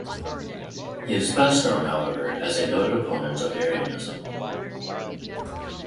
He is best known, however, as a noted opponent of Arianism.